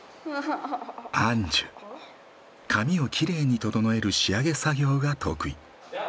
髪をきれいに整える仕上げ作業が得意。